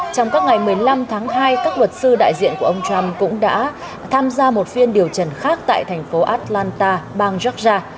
trong các ngày một mươi năm tháng hai các luật sư đại diện của ông trump cũng đã tham gia một phiên điều trần khác tại thành phố atlanta bang georgia